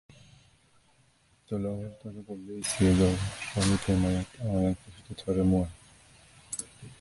دلار داره قله سی هزار را می پیماید آقایان فکر دو تار موان